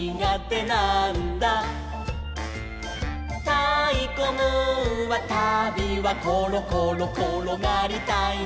「たいこムーンはたびはころころころがりたいのさ」